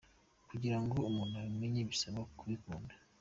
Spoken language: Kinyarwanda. Kugira ngo umuntu abimenye bisaba kubikunda .